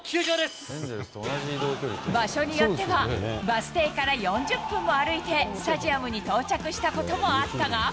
場所によっては、バス停から４０分も歩いてスタジアムに到着したこともあったが。